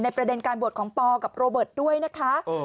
ประเด็นการบวชของปอกับโรเบิร์ตด้วยนะคะ